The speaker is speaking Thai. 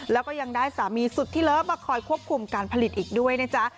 แล้วก็ยังได้สามีสุดที่เลิฟมาคอยควบคุมการผลิตอีกด้วยนะจ๊ะ